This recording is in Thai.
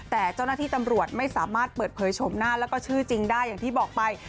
แต่เจ้าหน้าที่ตำรวจไม่สามารถเปิดเผยโฉมหน้าแล้วก็ชื่อจริงได้อย่างที่บอกไป